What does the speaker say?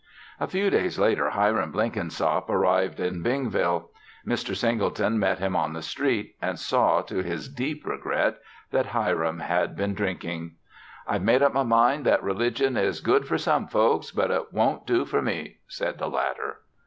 A few days later Hiram Blenkinsop arrived in Bingville. Mr. Singleton met him on the street and saw to his deep regret that Hiram had been drinking. "I've made up my mind that religion is good for some folks, but it won't do for me," said the latter.